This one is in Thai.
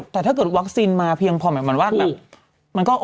แต่ถ้าเกิดวัคซีนมาเพียงพอหมายความว่า